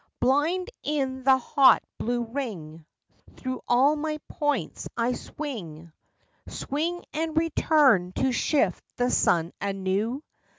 Blind in the hot blue ring Through all my points I swing Swing and return to shift the sun anew.